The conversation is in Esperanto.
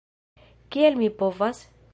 Kiel mi povas?